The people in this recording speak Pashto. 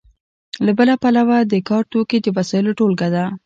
له بله پلوه د کار توکي د وسایلو ټولګه ده.